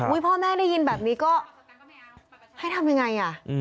พ่อแม่ได้ยินแบบนี้ก็ให้ทำยังไงอ่ะ